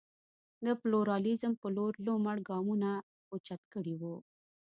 د پلورالېزم په لور لومړ ګامونه اوچت کړي وو.